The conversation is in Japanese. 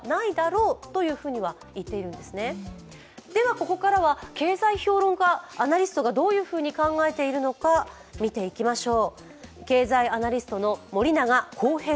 ここからは経済評論家、アナリストがどう考えているのか見ていきましょう。